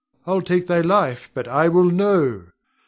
I'll take thy life but I will know.